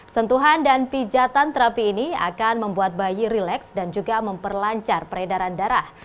sentuhan dan pijatan terapi ini akan membuat bayi rileks dan juga memperlancar peredaran darah